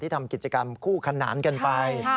ทำกิจกรรมคู่ขนานกันไป